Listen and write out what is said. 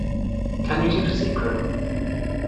Can You Keep a Secret?